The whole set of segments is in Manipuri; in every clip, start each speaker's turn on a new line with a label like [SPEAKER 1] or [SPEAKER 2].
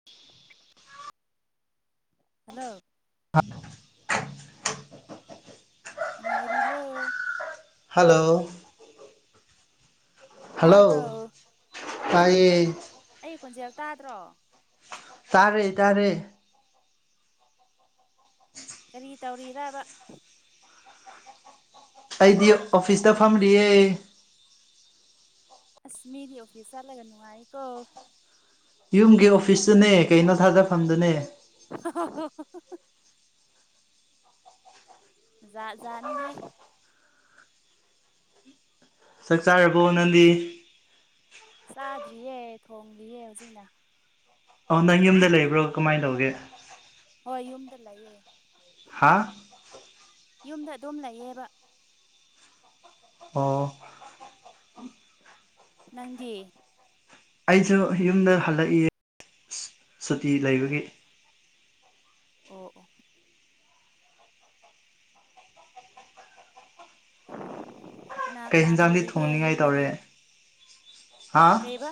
[SPEAKER 1] [inaudible]
[SPEAKER 2] ꯍꯜꯂꯣ
[SPEAKER 1] [unintelligible]
[SPEAKER 2] ꯅꯨꯉꯥꯏꯔꯤꯕ꯭ꯔꯣ
[SPEAKER 1] ꯍꯜꯂꯣ
[SPEAKER 2] ꯇꯥꯕ꯭ꯔꯣ
[SPEAKER 1] ꯍꯜꯂꯣ ꯇꯥꯏꯌꯦ
[SPEAKER 2] ꯑꯩ ꯈꯣꯟꯖꯦꯜ ꯇꯥꯗ꯭ꯔꯣ
[SPEAKER 1] ꯇꯥꯔꯦ ꯇꯥꯔꯦ
[SPEAKER 2] ꯀꯔꯤ ꯇꯧꯔꯤꯔꯕ
[SPEAKER 1] ꯑꯩꯗꯤ ꯑꯣꯐꯤꯁꯇ ꯐꯝꯔꯤꯌꯦ
[SPEAKER 2] ꯑꯁ ꯃꯤꯗꯤ ꯑꯣꯐꯤꯁ ꯆꯠꯂꯒ ꯅꯨꯡꯉꯥꯏꯀꯣ
[SPEAKER 1] ꯌꯨꯝꯒꯤ ꯑꯣꯐꯤꯁꯇꯨꯅꯦ ꯀꯩꯅꯣ ꯊꯥꯗꯐꯝꯗꯨꯅꯦ
[SPEAKER 2] [unintelligible] ꯖꯥꯠ ꯖꯥꯠ ꯅꯤꯍꯦ
[SPEAKER 1] ꯆꯥꯛ ꯆꯥꯔꯕꯣ ꯅꯪꯗꯤ
[SPEAKER 2] ꯆꯥꯗ꯭ꯔꯤꯌꯦ ꯊꯣꯂꯤꯌꯦ ꯍꯧꯖꯤꯛꯅ
[SPEAKER 1] ꯑꯣ ꯅꯪ ꯌꯨꯝꯗ ꯂꯩꯕ꯭ꯔꯣ ꯀꯃꯥꯏꯅ ꯇꯧꯒꯦ
[SPEAKER 2] ꯍꯣꯏ ꯌꯨꯝꯗ ꯂꯩꯌꯦ
[SPEAKER 1] ꯍꯥꯥ
[SPEAKER 2] ꯌꯨꯝꯗ ꯑꯗꯨꯝ ꯂꯩꯌꯦꯕ
[SPEAKER 1] ꯑꯣ
[SPEAKER 2] ꯅꯪꯗꯤ
[SPEAKER 1] ꯑꯩꯁꯨ ꯌꯨꯝꯗ ꯍꯜꯂꯛꯏ ꯁꯨꯇꯤ ꯂꯩꯕꯒꯤ
[SPEAKER 2] ꯑꯣ ꯑꯣ ꯀꯅꯥ
[SPEAKER 1] ꯀꯩ
[SPEAKER 2] ꯀꯅꯥ
[SPEAKER 1] ꯌꯦꯟꯖꯥꯡꯗꯤ
[SPEAKER 2] ꯂꯩꯔꯤꯒꯦ
[SPEAKER 1] ꯊꯣꯡꯅꯤꯡꯉꯥꯏ ꯇꯧꯔꯦ
[SPEAKER 2] ꯌꯨꯝꯗꯗꯤ
[SPEAKER 1] ꯍꯥ
[SPEAKER 2] ꯀꯩꯕ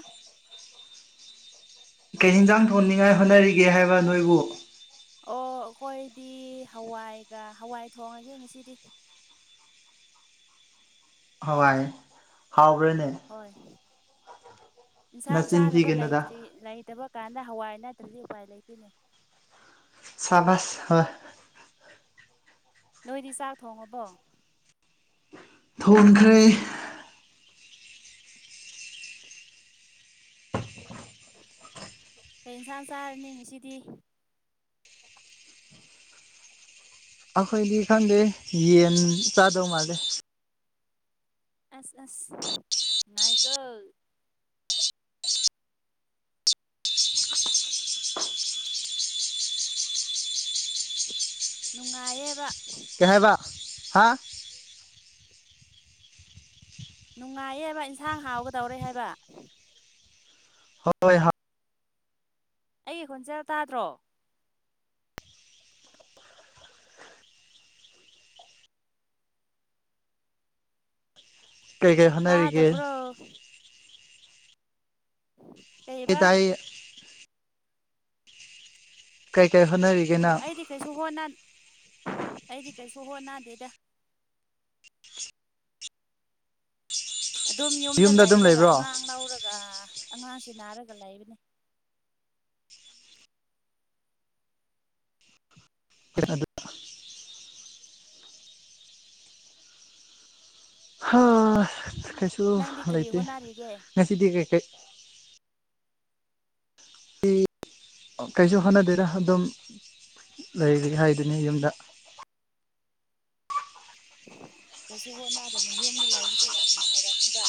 [SPEAKER 1] ꯀꯩ ꯍꯤꯟꯖꯥꯡ ꯊꯣꯡꯅꯤꯡꯉꯥꯏ ꯍꯣꯠꯅꯔꯤꯒꯦ ꯍꯥꯏꯕ ꯅꯣꯏꯕꯨ
[SPEAKER 2] ꯑꯣ ꯑꯈꯣꯏꯗꯤ ꯍꯋꯥꯏꯒ ꯍꯋꯥꯏ ꯊꯣꯡꯔ ꯒꯦ ꯉꯁꯤꯗꯤ
[SPEAKER 1] ꯍꯋꯥꯏ ꯍꯥꯎꯕ꯭ꯔꯥꯅꯦ
[SPEAKER 2] ꯍꯣꯏ ꯏꯟꯁꯥꯡ
[SPEAKER 1] ꯅꯆꯤꯟ
[SPEAKER 2] ꯆꯥꯅꯕ
[SPEAKER 1] ꯊꯤꯒꯅꯨꯗ
[SPEAKER 2] ꯂꯩꯇ꯭ꯔꯤ ꯂꯩꯇꯕ ꯀꯥꯟꯗ ꯍꯋꯥꯏ ꯅꯠꯇ꯭ꯔꯗꯤ ꯎꯄꯥꯏ ꯂꯩꯇ‌ꯦꯅꯦ
[SPEAKER 1] ꯆꯕꯁ ꯍꫭꯏ
[SPEAKER 2] ꯅꯣꯏꯗꯤ ꯆꯥꯛ ꯊꯣꯡꯉꯕꯣ
[SPEAKER 1] ꯊꯣꯡꯈ꯭ꯔ‌ꯦ
[SPEAKER 2] ꯀꯩ ꯏꯟꯁꯥꯡ ꯆꯥꯔꯅꯤ ꯉꯁꯤꯗꯤ
[SPEAKER 1] ꯑꯩꯈꯣꯏꯗꯤ ꯈꯪꯗꯦ ꯌꯦꯟ ꯆꯥꯗꯧ ꯃꯥꯜꯂꯦ
[SPEAKER 2] ꯑꯁ ꯑꯁ ꯅꯨꯉꯥꯏꯀꯣ ꯅꯨꯡꯉꯥꯏꯌꯦꯕ
[SPEAKER 1] ꯀꯩ ꯍꯥꯏꯕ ꯍꯥ
[SPEAKER 2] ꯅꯨꯡꯉꯥꯏꯌꯦ ꯍꯥꯏꯕ ꯏꯟꯁꯥꯡ ꯍꯥꯎꯒꯗꯧꯔꯦ ꯍꯥꯏꯕ
[SPEAKER 1] ꯍꯣꯏ ꯍꯣꯏ [unintelligible]
[SPEAKER 2] ꯑꯩꯒꯤ ꯈꯣꯟꯖꯦꯜ ꯇꯥꯗ꯭ꯔꯣ
[SPEAKER 1] ꯀꯩꯀꯩ ꯍꯣꯠꯅꯔꯤꯒꯦ
[SPEAKER 2] ꯇꯥꯗꯕ꯭ꯔꯣ ꯀꯩꯏꯕ
[SPEAKER 1] ꯇꯥꯏ ꯀꯩꯀꯩ ꯍꫭꯠꯔꯤ
[SPEAKER 2] ꯑꯣ ꯑꯩꯗꯤ ꯀꯩꯁꯨ ꯍꯣꯟꯅ ꯑꯩꯗꯤ ꯀꯩꯁꯨ ꯍꯣꯟꯅꯗꯦꯗ ꯑꯗꯨꯝ ꯌꯨꯝꯗ
[SPEAKER 1] ꯑꯗꯨꯝ
[SPEAKER 2] ꯂꯩꯔꯒ
[SPEAKER 1] ꯂꯩꯕ꯭ꯔꯣ
[SPEAKER 2] ꯑꯉꯥꯡ ꯂꯧꯔꯒ ꯑꯉꯥꯡꯁꯤ ꯅꯥꯔꯒ ꯂꯩꯕꯅꯦ
[SPEAKER 1] ꯍ ꯑꯗꯨ [unintelligible] ꯑꯥ ꯀꯩꯁꯨ
[SPEAKER 2] ꯅꯪꯗꯤ ꯀꯔꯤ
[SPEAKER 1] ꯂꯩꯇꯦ
[SPEAKER 2] ꯍꯣꯠꯅꯔꯤꯒꯦ
[SPEAKER 1] ꯉꯁꯤꯗꯤ ꯀꯩꯀꯩ ꯑꯩ ꯀꯩꯁꯨ ꯍꯣꯠꯅꯗ‌ꯦꯗꯥ ꯑꯗꯨꯝ ꯂꯩꯔꯤ ꯍꯥꯏꯗꯨꯅꯤ ꯌꯨꯝꯗ
[SPEAKER 2] ꯀꯩꯁꯨ ꯍꯣꯠꯅꯗꯅ ꯌꯨꯝꯗ ꯂꯥꯛꯏꯕꯁꯦ ꯌꯥꯝ ꯅꯨꯡꯉꯥꯏꯔꯅꯤꯗ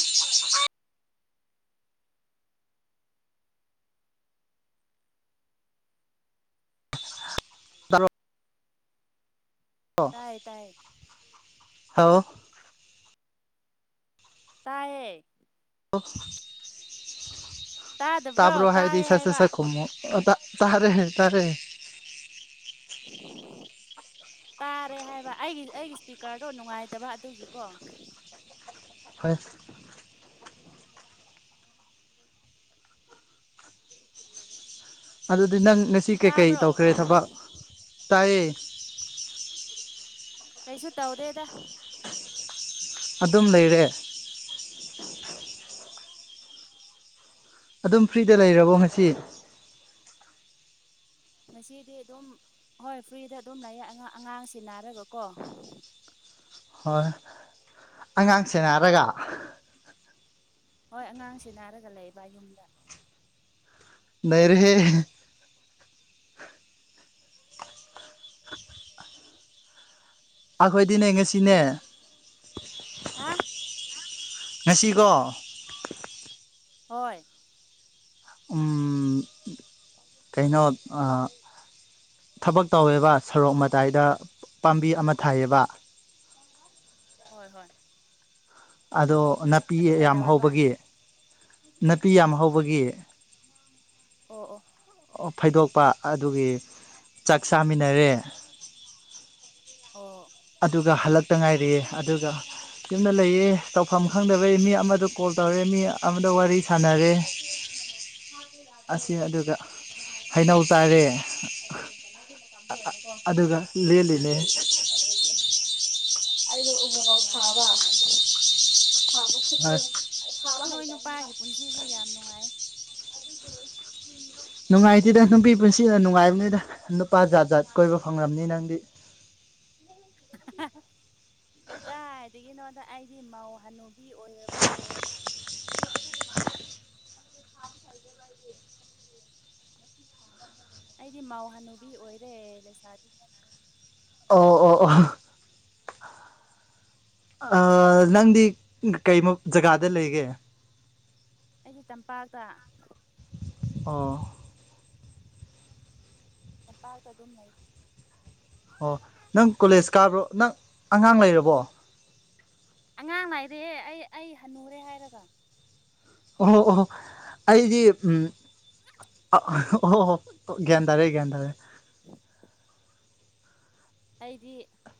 [SPEAKER 1] ꯇꯥꯕ꯭ꯔꯣ
[SPEAKER 2] ꯇꯥꯏꯌꯦ ꯇꯥꯏꯌꯦ
[SPEAKER 1] ꯍꯜꯂꫭ
[SPEAKER 2] ꯇꯥꯏꯌꯦ
[SPEAKER 1] ꯑꯣꯐ [unintelligible]
[SPEAKER 2] ꯇꯥꯗꯕ꯭ꯔꯣ
[SPEAKER 1] ꯇꯥꯕ꯭ꯔꯣ ꯍꯥꯏꯗꯤ
[SPEAKER 2] ꯇꯥꯏ
[SPEAKER 1] ꯁ ꯁ
[SPEAKER 2] ꯍꯥꯏꯕ
[SPEAKER 1] ꯁꯠ ꯈꯨꯝꯃꫭ ꯇꯥꯔꯦ ꯇꯥꯔꯦ
[SPEAKER 2] ꯎ [unintelligible] ꯇꯥꯔꯦ ꯍꯥꯏꯕ ꯑꯩꯒꯤ ꯑꯩꯒꯤ ꯏꯁꯄꯤꯀꯔꯗꯣ ꯅꯨꯡꯉꯥꯏꯇꯕ ꯑꯗꯨꯒꯤꯀꯣ
[SPEAKER 1] ꯍꫭꯏ ꯑꯗꯨꯗꯤ ꯅꯪ ꯉꯁꯤ ꯀꯩꯀꯩ
[SPEAKER 2] ꯇꯥꯕ꯭ꯔꯣ
[SPEAKER 1] ꯇꯧꯈ꯭ꯔꯦ ꯊꯕꯛ ꯇꯥꯏꯌꯦ
[SPEAKER 2] ꯀꯩꯁꯨ ꯇꯧꯗꯦꯗ
[SPEAKER 1] ꯑꯗꯨꯝ ꯂꯩꯔꯦ ꯑꯗꯨꯝ ꯐ꯭ꯔꯤꯗ ꯂꯩꯔꯕꯣ ꯉꯁꯤ
[SPEAKER 2] ꯉꯁꯤꯗꯤ ꯑꯗꯨꯝ ꯍꯣꯏ ꯐ꯭ꯔꯤꯗ ꯑꯗꯨꯝ ꯂꯩꯌꯦꯏ ꯑꯥꯡ ꯑꯉꯥꯡ ꯁ‌ꯦꯟꯅꯥꯔꯒꯀꯣ
[SPEAKER 1] ꯍꯣꯏ ꯑꯉꯥꯡ ꯁꯦꯅꯔꯒ
[SPEAKER 2] ꯍꯣꯏ ꯑꯉꯥꯡ ꯁ‌ꯦꯟꯅꯥꯔꯒ ꯂꯩꯕ ꯌꯨꯝꯗ
[SPEAKER 1] ꯅꯩꯔ‌ꯦꯍꯦ ꯑꯩꯈꯣꯏꯗꯤꯅꯦ ꯉꯁꯤꯅꯦ
[SPEAKER 2] ꯑꯗꯨ ꯍꯥ
[SPEAKER 1] ꯉꯁꯤꯀꯣ
[SPEAKER 2] ꯍꯣꯏ
[SPEAKER 1] ꯎꯝ ꯀꯩꯅꯣ ꯑꯥ ꯊꯕꯛ ꯇꯧꯋꯦꯕ ꯁꯣꯔꯣꯛ ꯃꯇꯥꯏꯗ ꯄꯥꯝꯕꯤ ꯑꯃ ꯊꯥꯏꯌꯦꯕ
[SPEAKER 2] ꯍꯣꯏ ꯍꯣꯏ
[SPEAKER 1] ꯑꯗꯣ ꯅꯥꯄꯤ
[SPEAKER 2] ꯑꯗꯨ
[SPEAKER 1] ꯌꯥꯝ
[SPEAKER 2] ꯀꯩꯗꯧꯔꯕ
[SPEAKER 1] ꯍꯧꯕꯒꯤ ꯅꯥꯄꯤ ꯌꯥꯝ ꯍꯧꯕꯒꯤ
[SPEAKER 2] ꯑꯣ ꯑꯣ
[SPEAKER 1] ꯑꫭꯐꯩꯗꯣꯛꯄ ꯑꯗꯨꯒꯤ ꯆꯥꯛ ꯆꯥꯃꯤꯟꯅꯔꯦ
[SPEAKER 2] ꯑꯣ
[SPEAKER 1] ꯑꯗꯨꯒ ꯍꯜꯂꯛꯇ ꯉꯥꯏꯔꯤꯌ‌ꯦ ꯑꯗꯨꯒ ꯌꯨꯝꯗ ꯂꯩꯌꯦ ꯇꯧꯐꯝ ꯈꯪꯗꯕꯩ ꯃꯤ ꯑꯃꯗ ꯀꯣꯜ ꯇꯧꯔꯦ ꯃꯤ ꯑꯃꯗ ꯋꯥꯔꯤ ꯁꯥꯟꯅꯔꯦ ꯑꯁꯤ ꯑꯗꯨꯒ ꯍꯩꯅꯧ ꯆꯥꯔꯦ [unintelligible] ꯑꯗꯨꯒ [unintelligible]
[SPEAKER 2] ꯅꯨꯡꯉꯥꯏ ꯅꯨꯡꯉꯥꯏ
[SPEAKER 1] [unintelligible] [unintelligible]
[SPEAKER 2] ꯅꯣꯏ ꯅꯨꯄꯥꯒꯤ ꯄꯨꯟꯁꯤꯁꯦ ꯌꯥꯝ ꯅꯨꯡꯉꯥꯏ
[SPEAKER 1] ꯅꯨꯡꯉꯥꯏꯇꯤꯗ ꯅꯨꯄꯤ ꯄꯨꯟꯁꯤꯅ ꯅꯨꯡꯉꯥꯏꯕꯅꯤꯗ ꯅꯨꯄꯥ ꯖꯥꯠ ꯖꯥꯠ ꯀꯣꯏꯕ ꯐꯪꯂꯝꯅꯤ ꯅꯪꯗꯤ
[SPEAKER 2] [unintelligible] ꯑꯦꯗꯥ ꯑꯗꯨꯗꯒꯤ ꯅꯣ ꯑꯩꯗꯤ ꯃꯧ ꯍꯅꯨꯕꯤ ꯑꯣꯏꯔꯕꯅꯦ ꯑꯩꯗꯤ ꯃꯧꯍꯅꯨꯕꯤ ꯑꯣꯏꯔꯦ ꯂꯩꯁꯥꯕꯤꯅꯦ
[SPEAKER 1] ꯑꯣ ꯑꯣ ꯑꯣ ꯅꯪꯗꯤ ꯀꯩꯃꯣ ꯖꯒꯥꯗ ꯂꯩꯒꯦ
[SPEAKER 2] ꯑꯩꯗꯤ ꯇꯝꯄꯥꯛꯇ
[SPEAKER 1] ꯑꯣ
[SPEAKER 2] ꯂꯝꯄꯥꯛꯇꯥ ꯑꯗꯨꯝ ꯂꯩ
[SPEAKER 1] ꯑꯣ ꯅꯪ ꯀꯣꯂꯦꯖ ꯀꯥꯕ꯭ꯔꯣ ꯅꯪ ꯑꯉꯥꯡ ꯂꯩꯔꯕꯣ
[SPEAKER 2] ꯑꯉꯥꯡ ꯂꯏꯔꯦ ꯑꯩ ꯑꯩ ꯍꯟꯅꯨꯔꯦ ꯍꯥꯏꯔꯒ
[SPEAKER 1] ꯑꯣꯍꯣ ꯑꯣꯍꯣ ꯑꯩꯗꯤ ꯑꯣ ꯍꯣ ꯒꯌꯥꯟ ꯇꯥꯔꯦ ꯒꯌꯥꯟ ꯇꯥꯔꯦ
[SPEAKER 2] ꯑꯩꯗꯤ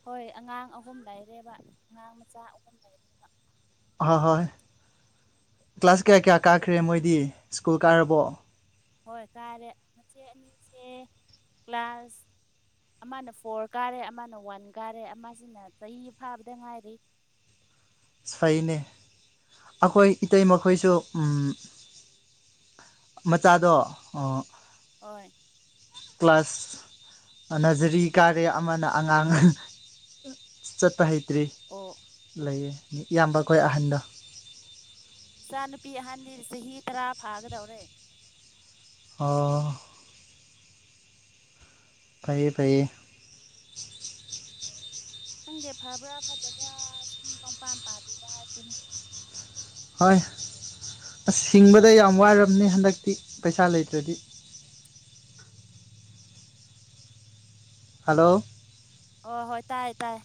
[SPEAKER 2] ꯍꯣꯏ ꯑꯉꯥꯡ ꯑꯍꯨꯝ ꯂꯩꯔꯦꯕ ꯑꯉꯥꯡ ꯃꯆꯥ ꯑꯍꯨꯝ ꯂꯩꯔꯦꯕ
[SPEAKER 1] ꯑ ꯍꯣꯏ ꯀ꯭ꯂꯥꯁ ꯀꯌꯥ ꯀꯌꯥ ꯀꯥꯈ꯭ꯔꯦ ꯃꯣꯏꯗꯤ ꯁ꯭ꯀꯨꯜ ꯀꯥꯔꯕꯣ
[SPEAKER 2] ꯍꯣꯏ ꯀꯥꯔꯦ ꯃꯆꯦ ꯑꯅꯤꯁꯦ ꯀ꯭ꯂꯥꯁ ꯑꯃꯅ ꯐꯣꯔ ꯀꯥꯔꯦ ꯑꯃꯅ ꯋꯥꯟ ꯀꯥꯔꯦ ꯑꯃꯁꯤꯅ ꯆꯍꯤ ꯐꯥꯕꯗ ꯉꯥꯏꯔꯤ
[SPEAKER 1] ꯁꯩꯅꯦ ꯑꯩꯈꯣꯏ ꯏꯇꯩ ꯃꯈꯣꯏꯁꯨ ꯃꯆꯥꯗꯣ ꯑꯣ
[SPEAKER 2] ꯑꯣꯏ
[SPEAKER 1] ꯀ꯭ꯂꯥꯁ ꯅꯔꯖꯔꯤ ꯀꯥꯔꯦ ꯑꯃꯅ ꯑꯉꯥꯡ ꯆꯠꯄ ꯍꯩꯇ꯭ꯔꯤ
[SPEAKER 2] ꯑꯣ
[SPEAKER 1] ꯂꯩꯌꯦ ꯏꯌꯥꯝꯕ ꯑꯩꯈꯣꯏ ꯑꯍꯟꯗ
[SPEAKER 2] ꯏꯆꯥꯅꯨꯄꯤ ꯑꯍꯟꯅꯤ ꯆꯍꯤ ꯇꯔꯥ ꯐꯥꯒꯗꯧꯔꯦ
[SPEAKER 1] ꯑꯣ ꯐꯩꯩꯌꯦ ꯐꯩꯌꯦ
[SPEAKER 2] ꯈꯪꯗꯦ ꯐꯕ꯭ꯔꯥ ꯐꯠꯇꯕ꯭ꯔꯥ ꯁꯨꯝ ꯀꯪꯄꯥꯟ ꯄꯥꯂꯤꯕ ꯍꯥꯏꯗꯨꯅꯤ
[SPEAKER 1] ꯍꯣꯏ ꯑꯁ ꯍꯁꯤꯡꯕꯗ ꯌꯥꯝ ꯋꯥꯔꯝꯅꯤ ꯍꯟꯗꯛꯇꯤ ꯄꯩꯁꯥ ꯂꯩꯇ꯭ꯔꯗꯤ ꯍꯂꯣ
[SPEAKER 2] ꯑꯣ ꯍꯣꯏ ꯇꯥꯏꯌꯦ ꯇꯥꯏ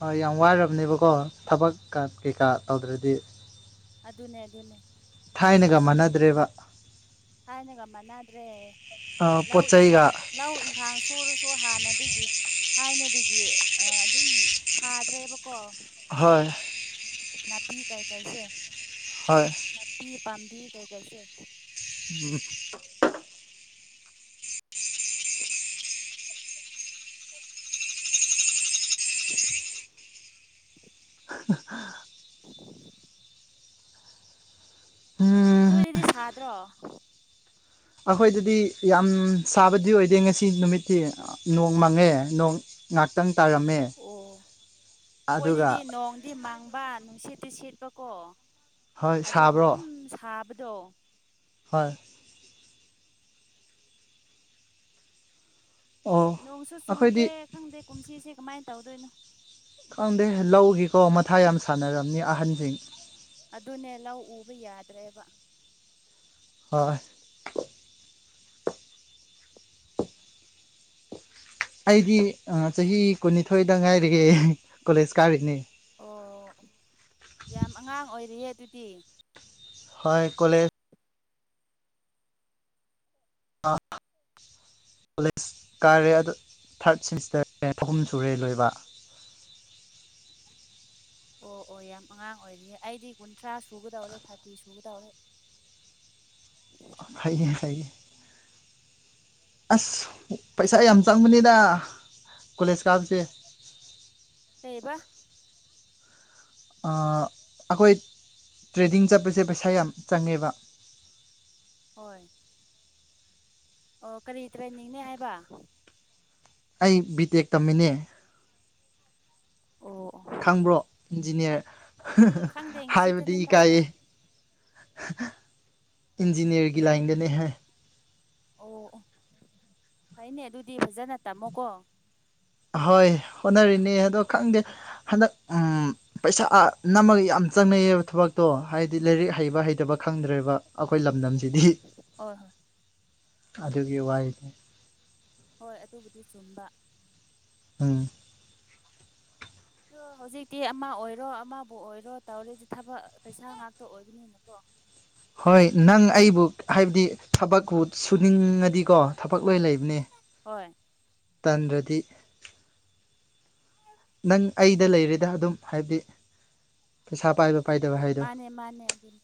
[SPEAKER 1] ꯍꯣꯏ ꯌꯥꯝ ꯋꯥꯔꯝꯅꯦꯕꯀꯣ ꯊꯕꯛ ꯀꯩꯀꯥ ꯇꯧꯗ꯭ꯔꯗꯤ
[SPEAKER 2] ꯑꯗꯨꯅꯦ ꯑꯗꯨꯅꯦ
[SPEAKER 1] ꯊꯥꯏꯅꯒ ꯃꯥꯟꯅꯗ꯭ꯔꯦꯕ
[SPEAKER 2] ꯊꯥꯏꯅꯒ ꯃꯥꯟꯅꯗ꯭ꯔꯦ ꯂꯧ
[SPEAKER 1] ꯄꯣꯠ ꯆꯩꯒ
[SPEAKER 2] ꯏꯪꯈꯥꯡ ꯂꯧ ꯏꯟꯈꯥꯡ ꯁꯨꯔꯁꯨ ꯍꯥꯟꯅꯗꯒꯤ ꯊꯥꯏꯅꯗꯒꯤ ꯑꯗꯨꯝ ꯐꯥꯗ꯭ꯔꯦꯕꯀꯣ
[SPEAKER 1] ꯍꯣꯏ
[SPEAKER 2] ꯅꯥꯄꯤ ꯀꯩ ꯀꯥꯏꯁꯦ
[SPEAKER 1] ꯍꯣꯏ
[SPEAKER 2] ꯅꯥꯄꯤ ꯄꯥꯝꯕꯤ ꯀꯩꯀꯩꯁꯦ
[SPEAKER 1] ꯎꯝ
[SPEAKER 2] [inaudible]
[SPEAKER 1] ꯎꯝ
[SPEAKER 2] ꯅꯣꯏꯗꯗꯤ ꯁꯥꯗ꯭ꯔꯣ
[SPEAKER 1] ꯑꯩꯈꯣꯏꯗꯗꯤ ꯌꯥꯝ ꯁꯥꯕꯗꯤ ꯑꯣꯏꯗꯦ ꯉꯁꯤ ꯅꯨꯃꯤꯠꯇꯤ ꯅꯣꯡ ꯃꯪꯉꯦ ꯅꯣꯡ ꯉꯍꯥꯛꯇꯪ ꯇꯥꯔꯝꯃꯦ
[SPEAKER 2] ꯑꯣ ꯑꯩꯈꯣꯏ
[SPEAKER 1] ꯑꯗꯨꯒ
[SPEAKER 2] ꯑꯗꯨꯗꯤ ꯅꯣꯡ ꯗꯤ ꯃꯪꯕ ꯅꯨꯡꯁꯦꯠꯇꯤ ꯁꯦꯠꯄꯀꯣ
[SPEAKER 1] ꯍꯣꯏ
[SPEAKER 2] ꯑꯗꯨꯕꯨ
[SPEAKER 1] ꯁꯥꯕ꯭ꯔꯣ
[SPEAKER 2] ꯑꯗꯨꯝ ꯁꯥꯕꯗꯣ
[SPEAKER 1] ꯍꯣꯏ ꯑꯣ
[SPEAKER 2] ꯅꯣꯡꯁꯨ
[SPEAKER 1] ꯑꯩꯈꯣꯏꯗꯤ
[SPEAKER 2] ꯆꯨꯗꯦ ꯈꯪꯗꯦ ꯀꯨꯝꯁꯤꯁꯦ ꯀꯃꯥꯏꯅ ꯇꯧꯗꯣꯏꯅꯣ
[SPEAKER 1] ꯈꯪꯗꯦ ꯂꯧꯒꯤꯀꯣ ꯃꯊꯥ ꯌꯥꯝ ꯁꯥꯟꯅꯔꯝꯅꯤ ꯑꯍꯟꯁꯤꯡ
[SPEAKER 2] ꯑꯗꯨꯅꯦ ꯂꯧ ꯎꯕ ꯌꯥꯗ꯭ꯔꯦꯕ
[SPEAKER 1] ꯍꯣꯏ ꯑꯩꯗꯤ ꯆꯍꯤ ꯀꯨꯟꯅꯤꯊꯣꯏꯗ ꯉꯥꯏꯔꯒꯦ ꯀꯣꯂꯦꯖ ꯀꯥꯔꯤꯅꯦ
[SPEAKER 2] ꯑꯣ ꯌꯥꯝ ꯑꯉꯥꯡ ꯑꯣꯏꯔꯤꯌꯦ ꯑꯗꯨꯗꯤ
[SPEAKER 1] ꯍꯣꯏ ꯀꯣꯂꯦꯖ ꯑꯥ ꯀꯣꯂꯦꯖ ꯀꯥꯔꯦ ꯑꯗꯨ ꯊꯥꯔꯠ ꯁꯦꯃꯤꯁꯇꯔ ꯑꯍꯨꯝ ꯁꯨꯔꯦ ꯂꯣꯏꯕ
[SPEAKER 2] ꯑꯣ ꯑꯣ ꯌꯥꯝ ꯑꯉꯥꯡ ꯑꯣꯏꯔꯤꯌꯦ ꯑꯩꯗꯤ ꯀꯨꯟꯊ꯭ꯔꯥ ꯁꯨꯒꯗꯧꯔꯦ ꯊꯥꯔꯇꯤ ꯁꯨꯒꯗꯧꯔꯦ
[SPEAKER 1] ꯍꯥꯏꯥꯏꯒꯦ ꯍꯥꯏꯥꯏꯒꯦ ꯑꯁ ꯄꯩꯁꯥ ꯌꯥꯝ ꯆꯪꯕꯅꯤꯅ ꯀꯣꯂꯦꯖ ꯀꯥꯕꯁꯦ
[SPEAKER 2] ꯂꯩꯕ
[SPEAKER 1] ꯑꯩꯈꯣꯏ ꯇ꯭ꯔꯦꯗꯤꯡ ꯆꯠꯄꯁꯦ ꯄꯩꯁꯥ ꯌꯥꯝ ꯆꯪꯉꯦꯕ
[SPEAKER 2] ꯍꯣꯏ ꯑꯣ ꯀꯔꯤ ꯇ꯭ꯔꯦꯟꯅꯤꯡꯅꯦ ꯍꯥꯏꯕ
[SPEAKER 1] ꯑꯩ ꯕꯤ ꯇꯦꯛ ꯇꯝꯃꯤꯅꯦ
[SPEAKER 2] ꯑꯣ ꯑꯣ
[SPEAKER 1] ꯈꯪꯕ꯭ꯔꯣ ꯏꯟꯖꯤꯅꯤꯌꯥꯔ
[SPEAKER 2] ꯈꯪꯗꯦ ꯉꯁꯤꯇꯅꯦ
[SPEAKER 1] ꯍꯥꯏꯕꯗꯤ
[SPEAKER 2] ꯇꯥꯕ
[SPEAKER 1] ꯏꯀꯥꯏꯌꯦ ꯏꯟꯖꯤꯅꯤꯌꯥꯔꯒꯤ ꯂꯥꯏꯟꯗꯅꯦ ꯍꯥꯏ
[SPEAKER 2] ꯑꯣ ꯑꯣ ꯐꯩꯅꯦ ꯑꯗꯨꯗꯤ ꯐꯖꯅ ꯇꯝꯃꯣꯀꯣ
[SPEAKER 1] ꯍꯣꯏ ꯍꯣꯠꯅꯔꯤꯅꯦ ꯑꯗꯣ ꯈꯪꯗꯦ ꯍꯟꯗꯛ ꯎꯝ ꯄꯩꯁꯥ ꯅꯝꯃꯒ ꯌꯥꯝ ꯆꯪꯅꯩꯌꯦꯕ ꯊꯕꯛꯇꯣ ꯍꯥꯏꯗꯤ ꯂꯥꯏꯔꯤꯛ ꯍꯩꯕ ꯍꯩꯇꯕ ꯈꯪꯗ꯭ꯔꯦꯕ ꯑꯩꯈꯣꯏ ꯂꯝꯗꯝꯁꯤꯗꯤ
[SPEAKER 2] ꯍꯣꯏ ꯍꯣꯏ
[SPEAKER 1] ꯑꯗꯨꯒꯤ ꯋꯥꯔꯤꯅꯤ
[SPEAKER 2] ꯍꯣꯏ ꯑꯗꯨꯕꯨꯗꯤ ꯆꯨꯝꯕ
[SPEAKER 1] ꯎꯝ
[SPEAKER 2] ꯑ ꯍꯧꯖꯤꯛꯇꯤ ꯑꯃ ꯑꯣꯏꯔꯣ ꯑꯃꯕꯨ ꯑꯣꯏꯔꯣ ꯇꯧꯔꯤꯗꯤ ꯊꯕꯛ ꯄꯩꯁꯥ ꯉꯥꯛꯇ ꯑꯣꯏꯕꯅꯤꯅꯀꯣ
[SPEAKER 1] ꯍꯣꯏ ꯅꯪ ꯑꯩꯕꯨ ꯍꯥꯏꯕꯗꯤ ꯊꯕꯛꯄꯨ ꯁꯨꯅꯤꯡꯉꯗꯤꯀꯣ ꯊꯕꯛ ꯂꯣꯏ ꯂꯩꯕꯅꯦ
[SPEAKER 2] ꯍꯣꯏ
[SPEAKER 1] ꯇꯟꯗ꯭ꯔꯗꯤ ꯅꯪ ꯑꯩꯗ ꯂꯩꯔꯤꯦꯗ ꯑꯗꯨꯝ ꯍꯥꯏꯕꯗꯤ ꯄꯩꯁꯥ ꯄꯥꯏꯕ ꯄꯥꯏꯗꯕ ꯍꯥꯏꯗꯣ
[SPEAKER 2] ꯃꯥꯅꯦ ꯃꯥꯅꯦ ꯑꯗꯨꯅꯤ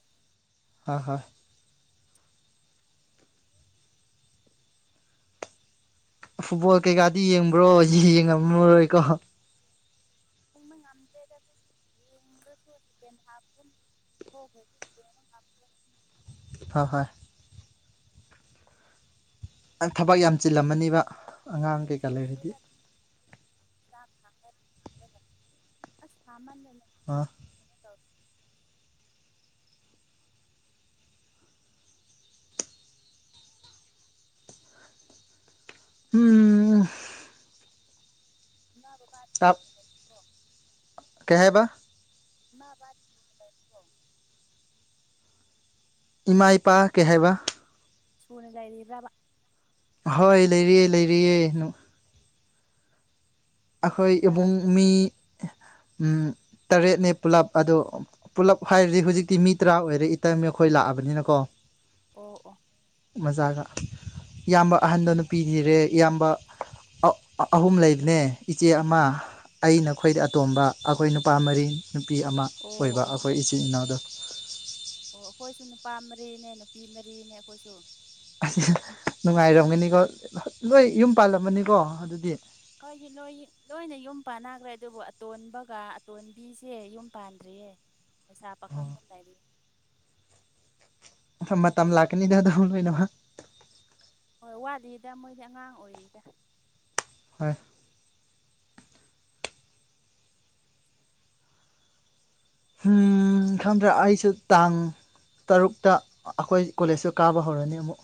[SPEAKER 1] ꯍꯣꯏ ꯍꯣꯏ ꯐꯨꯠꯕꯣꯜ ꯀꯩꯀꯥꯗꯤ ꯌꯦꯡꯕ꯭ꯔꯣ ꯍꯧ ꯌꯦꯡꯉꯝꯃꯔꯣꯏꯀꯣ
[SPEAKER 2] ꯅ ꯃ ꯉꯝꯗ꯭ꯔꯦꯗ ꯑꯗꯨ [inaudible] ꯌꯦꯦꯡꯕꯁꯨꯁꯤꯗꯦꯟ ꯍꯥꯥ ꯄꯨꯨꯝ ꯊ ꯍ꯭ꯔ ꯍꯗꯦ ꯅꯍ
[SPEAKER 1] ꯍ ꯍꯣꯏ ꯊꯕꯛ ꯌꯥꯝ ꯆꯤꯜꯂꯝꯃꯅꯤꯕ
[SPEAKER 2] ꯍ
[SPEAKER 1] ꯑꯉꯥꯡ ꯀꯩꯀꯥ ꯂꯩꯔꯗꯤ
[SPEAKER 2] ꯆꯤꯟꯗꯗ ꯑꯗꯨ [inaudible] ꯑꯁꯃꯅꯦ [inaudible]
[SPEAKER 1] ꯑꯥ ꯎꯝ ꯑꯣ
[SPEAKER 2] ꯔꯕꯕꯥ [inaudible]
[SPEAKER 1] ꯇꯞ ꯀꯩꯍ ꯍꯥꯏꯦꯕ
[SPEAKER 2] ꯃꯕꯀꯣ
[SPEAKER 1] ꯏꯃꯥ ꯏꯄꯥ ꯀꯩ ꯍꯥꯏꯕ
[SPEAKER 2] ꯁꯨꯅ ꯂꯩꯥꯏꯔꯤꯕ꯭ꯔꯕ
[SPEAKER 1] ꯍꯣꯏ ꯂꯩꯔꯤꯑ ꯂꯩꯔꯤꯑꯦ꯫
[SPEAKER 2] ꯑꯣ
[SPEAKER 1] ꯑꯩꯈꯣꯏ
[SPEAKER 2] ꯌꯥꯝ
[SPEAKER 1] ꯏꯕꯨꯡ
[SPEAKER 2] ꯐꯩ
[SPEAKER 1] ꯃꯤ ꯇꯔꯦꯠꯅꯦ ꯄꯨꯂꯞ ꯑꯗꯣ꯫ ꯄꯨꯜꯂꯞ ꯍꯥꯏꯔꯗꯤ ꯍꯧꯖꯤꯛꯇꯤ ꯃꯤ ꯇꯔꯥ ꯑꯣꯏꯔꯦ ꯏꯇꯩꯃꯈꯣꯏ ꯂꯥꯛꯑꯕꯅꯤꯅ ꯀꯣ꯫
[SPEAKER 2] ꯑꯣ ꯑꯣ꯫
[SPEAKER 1] ꯃꯖꯥꯒ꯫ ꯏꯌꯥꯝꯕ ꯑꯍꯟꯗ ꯅꯨꯄꯤ ꯊꯤꯔꯦ ꯏꯌꯥꯝꯕ ꯑꯍꯨꯝ ꯂꯩꯕꯅꯦ꯫ ꯏꯆꯦ ꯑꯃ ꯑꯩ ꯅꯈꯣꯏꯗꯩ ꯑꯇꯣꯝꯕ ꯑꯩꯈꯣꯏ ꯅꯨꯄꯥ ꯃꯔꯤ꯫ ꯅꯨꯄꯤ ꯑꯃ
[SPEAKER 2] ꯑꯣ
[SPEAKER 1] ꯑꯣꯏꯕ
[SPEAKER 2] ꯑꯣ
[SPEAKER 1] ꯑꯩꯈꯣꯏ ꯏꯆꯤꯟꯜ ꯏꯅꯥꯎꯗꯣ꯫
[SPEAKER 2] ꯑꯣ ꯑꯩꯈꯣꯏꯁꯨ ꯅꯨꯄꯥ ꯃꯔꯤꯅꯦ ꯅꯨꯄꯤ ꯃꯔꯤꯅꯦ ꯑꯩꯈꯣꯏꯁꯨ꯫
[SPEAKER 1] ꯅꯨꯡꯉꯥꯏꯔꯝꯒꯅꯤꯀꯣ ꯂꯣꯏ ꯌꯨꯝ ꯄꯥꯜꯂꯝꯃꯅꯤꯀꯣ ꯑꯗꯨꯗꯤ꯫
[SPEAKER 2] ꯍꯣꯏ ꯂꯣꯏ ꯂꯣꯏꯅ ꯌꯨꯝ ꯄꯥꯟꯅꯈ꯭ꯔꯦ ꯑꯗꯨꯕꯨ ꯑꯇꯣꯟꯕꯒ ꯑꯇꯣꯟꯕꯤꯁꯦ ꯌꯨꯝ꯫ ꯄꯥꯟꯗ꯭ꯔꯤꯌꯦ ꯂꯩꯁꯥ ꯄꯥꯈꯪꯗꯅ ꯂꯩꯔꯤꯌꯦ꯫
[SPEAKER 1] ꯃꯇꯝ ꯂꯥꯛꯀꯅꯤꯗ ꯑꯗꯨꯝ ꯂꯣꯏꯅꯃꯛ꯫
[SPEAKER 2] ꯍꯣꯏ ꯋꯥꯠꯂꯤꯗ ꯃꯣꯏꯗꯤ ꯑꯉꯥꯡ ꯑꯣꯏꯔꯤꯗ꯫
[SPEAKER 1] ꯍꯣꯏ꯫ ꯎꯝ ꯈꯪꯗ꯭ꯔꯥ ꯑꯩꯁꯨ ꯇꯥꯡ꯫ ꯇꯔꯨꯛꯇ ꯑꯩꯈꯣꯏ ꯀꯣꯂꯦꯖꯇ ꯀꯥꯕ ꯍꯧꯔꯅꯤ ꯑꯃꯨꯛ꯫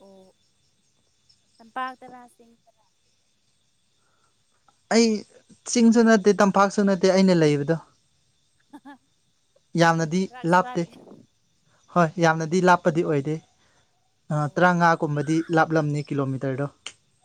[SPEAKER 2] ꯑꯣ ꯂꯝꯄꯥꯛꯇꯔꯥꯁꯤꯡ꯫
[SPEAKER 1] ꯑꯩ ꯆꯤꯡꯁꯨ ꯅꯠꯇꯦ ꯇꯝꯄꯥꯛꯁꯨ ꯅꯠꯇꯦ ꯑꯩꯅ ꯂꯩꯕꯗꯣ꯫ ꯌꯥꯝꯅꯗꯤ
[SPEAKER 2] ꯁꯔꯥꯛ
[SPEAKER 1] ꯂꯥꯞꯇꯦ꯫
[SPEAKER 2] ꯁꯔꯥꯛ
[SPEAKER 1] ꯍꯣꯏ ꯌꯥꯝꯅꯗꯤ ꯂꯥꯞꯄꯗꯤ ꯑꯣꯏꯗꯦ
[SPEAKER 2] ꯑꯣ
[SPEAKER 1] ꯇꯔꯥꯃꯉꯥꯒꯨꯝꯕꯗꯤ ꯂꯥꯞꯂꯝꯅꯤ꯫ ꯀꯤꯂꯣꯃꯤꯇꯔꯗꯣ꯫